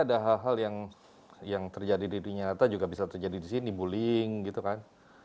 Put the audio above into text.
dan ada juga hal hal yang yang terjadi di inyata juga bisa terjadi di sini bullying gitu kan